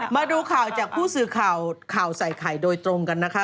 มาดูข่าวจากผู้สื่อข่าวข่าวใส่ไข่โดยตรงกันนะคะ